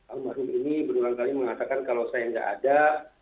almarhum ini benar benar mengatakan kalau saya tidak ada